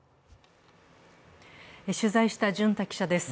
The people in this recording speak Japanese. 取材した巡田記者です。